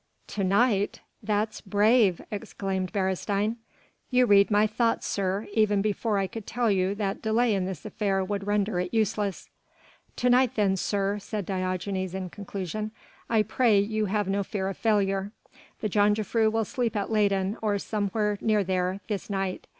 "To night! That's brave!" exclaimed Beresteyn. "You read my thoughts, sir, even before I could tell you that delay in this affair would render it useless." "To night then, sir," said Diogenes in conclusion, "I pray you have no fear of failure. The jongejuffrouw will sleep at Leyden, or somewhere near there, this night.